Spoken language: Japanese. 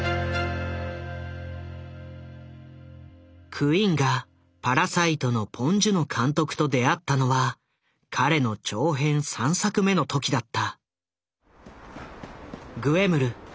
クインが「パラサイト」のポン・ジュノ監督と出会ったのは彼の長編３作目の時だった。